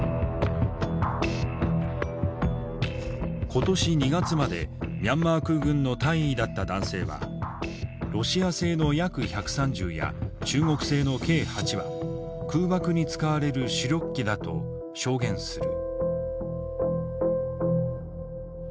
今年２月までミャンマー空軍の大尉だった男性はロシア製のＹａｋ−１３０や中国製のＫ−８は空爆に使われる主力機だと証言する。